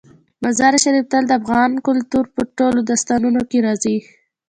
مزارشریف تل د افغان کلتور په ټولو داستانونو کې راځي.